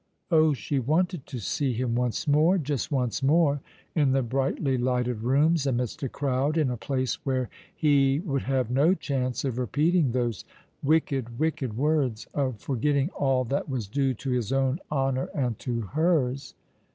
Oh, she wanted to see him once more — ^just once more — in the brightly lighted rooms, amidst a crowd — in a place where he would have no chance of repeating those wicked, wicked words — of forgetting all that was due to his own honour and to hers.